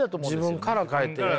自分から変えて。